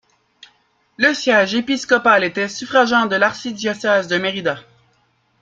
Le siège épiscopal était suffragant de l'archidiocèse de Mérida.